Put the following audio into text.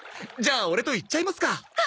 じゃあオレと行っちゃいますか！